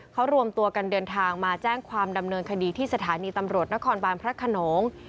เขารวมตัวกันเดินทางมาแจ้งความดำเนินคดีที่สถานีตำรวจนครบานพระขนง